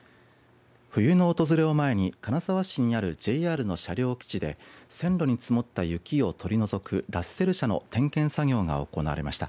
冬の訪れを前に金沢市にあるＪＲの車両基地で線路に積もった雪を取り除くラッセル車の点検作業が行われました。